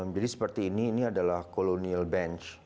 jadi seperti ini adalah colonial bench